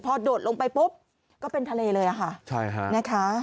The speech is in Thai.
พอโดดลงไปปุ๊บก็เป็นทะเลเลยค่ะ